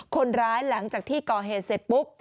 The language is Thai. หลังจากที่ก่อเหตุเสร็จปุ๊บ